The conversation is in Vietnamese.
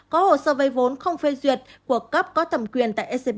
có hồ sơ vai vốn không phê duyệt của cấp có thẩm quyền tại scp